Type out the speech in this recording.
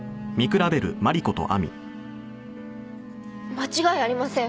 間違いありません。